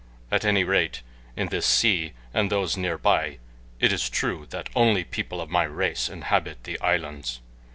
At any rate in this sea and those near by it is true that only people of my race inhabit the islands.